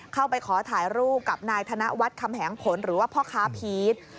เข้าไปขอถ่ายรูปกับนายธนวัฒน์คำแหงผลหรือว่าพ่อค้าพีช